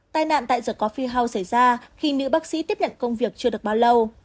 tài nạn tại the coffee house xảy ra khi nữ bác sĩ tiếp nhận công việc chưa được bao lâu